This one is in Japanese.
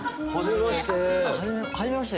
はじめまして。